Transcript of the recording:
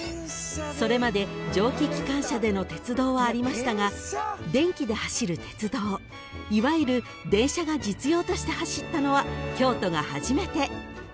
［それまで蒸気機関車での鉄道はありましたが電気で走る鉄道いわゆる電車が実用として走ったのは京都が初めて］